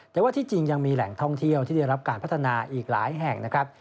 แต่ว่าที่จริงยังมีแหล่งท่องเที่ยวที่ได้รับการพัฒนาอีกหลายแห่งนะครับ